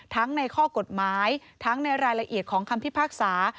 ในข้อกฎหมายทั้งในรายละเอียดของคำพิพากษา